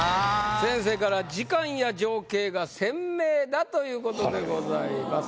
先生から「時間や情景が鮮明！」だということでございます。